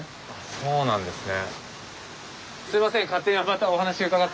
そうなんですね。